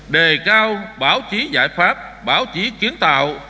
đề cao báo chí giải pháp báo chí kiến tạo